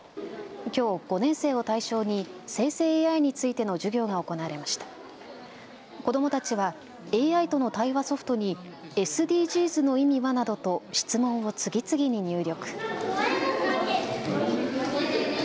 きょう５年生を対象に生成ＡＩについての授業が行われました。子どもたちはＡＩとの対話ソフトにＳＤＧｓの意味はなどと質問を次々に入力。